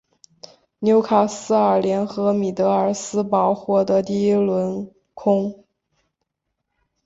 纽卡斯尔联和米德尔斯堡获得第一轮轮空。